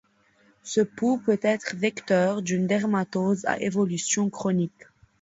Ce pou peut être vecteur d'une dermatose à évolution chronique.